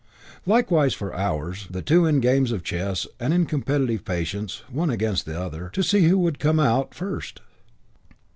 Likewise for hours the two in games of chess and in competitive Patience, one against the other, to see who would come out first.